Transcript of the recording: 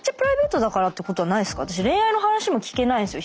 私恋愛の話も聞けないですよ